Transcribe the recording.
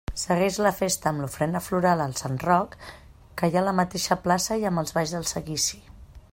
Segueix la festa amb l'ofrena floral al sant Roc que hi ha a la mateixa plaça i amb els balls del seguici.